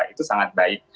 itu sangat baik